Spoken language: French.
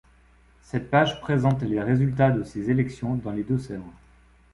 Cette page présente les résultats de ces élections dans les Deux-Sèvres.